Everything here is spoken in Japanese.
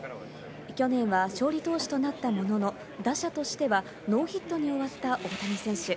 去年は勝利投手となったものの、打者としてはノーヒットに終わった大谷選手。